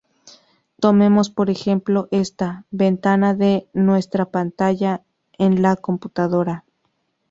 Tomemos por ejemplo esta "ventana" de nuestra pantalla en la computadora.